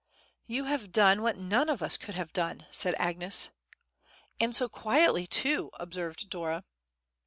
"You have done what none of us could have done," said Agnes. "And so quietly too," observed Dora.